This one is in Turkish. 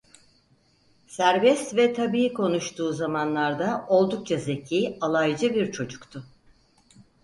Serbest ve tabii konuştuğu zamanlarda oldukça zeki, alaycı bir çocuktu.